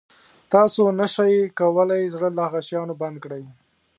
تاسو نه شئ کولای زړه له هغه شیانو بند کړئ.